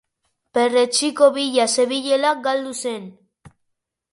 Perretxiko bila zebilela galdu zen.